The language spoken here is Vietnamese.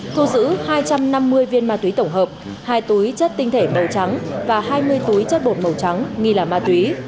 thu giữ hai trăm năm mươi viên ma túy tổng hợp hai túi chất tinh thể màu trắng và hai mươi túi chất bột màu trắng nghi là ma túy